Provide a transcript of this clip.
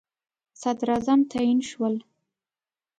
صدراعظم تعیین شول.